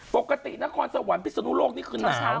ปกตินครสวรรค์พิศนุโลกนี่คือหนาว